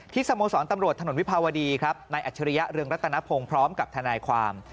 สโมสรตำรวจถนนวิภาวดีครับนายอัจฉริยะเรืองรัตนพงศ์พร้อมกับทนายความ